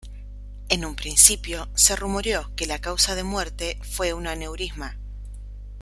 En un principio se rumoreó que la causa de muerte fue una aneurisma.